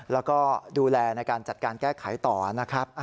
แล้วก็ดูแลในการจัดการแก้ไขต่อนะครับ